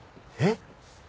えっ！？